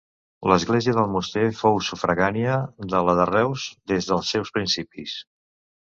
L'església d'Almoster fou sufragània de la de Reus des dels seus principis.